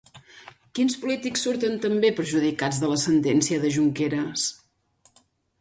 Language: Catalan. Quins polítics surten també perjudicats de la sentència de Junqueras?